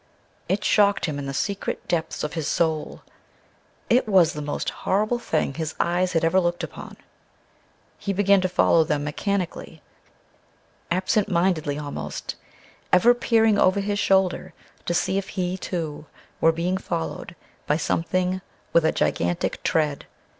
It shocked him in the secret depths of his soul. It was the most horrible thing his eyes had ever looked upon. He began to follow them mechanically, absentmindedly almost, ever peering over his shoulder to see if he, too, were being followed by something with a gigantic tread....